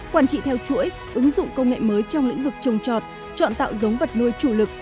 quản trị theo chuỗi ứng dụng công nghệ mới trong lĩnh vực trồng trọt chọn tạo giống vật nuôi chủ lực